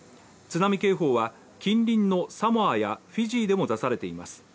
津波警報は近隣のサモアやフィジーでも出されています。